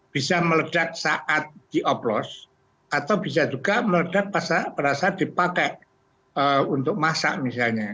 bisa meledak saat dioplos atau bisa juga meledak pada saat dipakai untuk masak misalnya